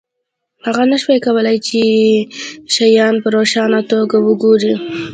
هغه نشوای کولی چې شیان په روښانه توګه وګوري